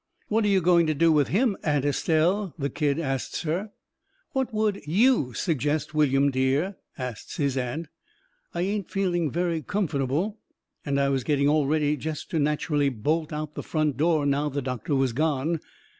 "What are you going to do with him, Aunt Estelle?" the kid asts her. "What would YOU suggest, William, Dear?" asts his aunt. I ain't feeling very comfortable, and I was getting all ready jest to natcherally bolt out the front door now the doctor was gone.